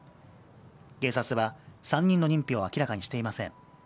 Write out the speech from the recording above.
警察は３人の認否を明らかにしていません。